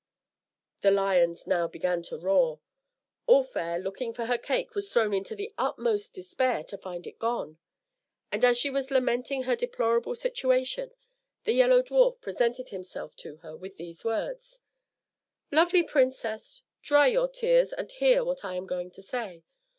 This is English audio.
The lions now began to roar; All Fair, looking for her cake, was thrown into the utmost despair to find it gone; and as she was lamenting her deplorable situation, the Yellow Dwarf presented himself to her with these words: "Lovely princess, dry your tears, and hear what I am going to say.